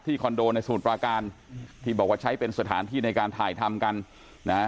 คอนโดในสมุทรปราการที่บอกว่าใช้เป็นสถานที่ในการถ่ายทำกันนะฮะ